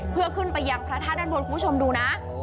เพื่อขึ้นไปยังพระธาตุด้านบนคุณผู้ชมดูนะ